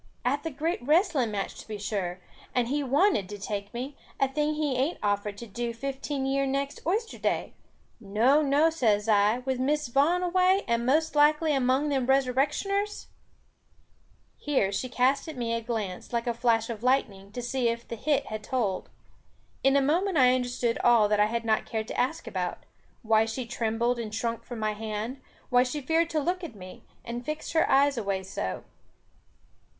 "At the great wrestling match to be sure. And he wanted to take me; a thing he ain't offered to do fifteen year next oyster day. No, no, says I, with Miss Vaughan away, and most likely among them resurrectioners " Here she cast at me a glance, like a flash of lightning, to see if the hit had told. In a moment I understood all that I had not cared to ask about; why she trembled and shrunk from my hand, why she feared to look at me, and fixed her eyes away so.